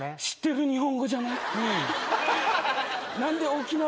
知ってる日本語じゃない。